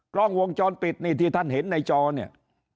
กล้องวงจรปิดนี่ที่ท่านเห็นในจอเนี่ย